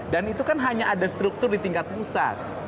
dan itu kan hanya ada struktur di tingkat pusat